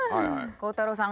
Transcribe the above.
鋼太郎さん。